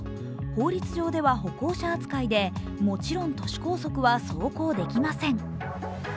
法律上では歩行者扱いでもちろん都市高速は走行できません。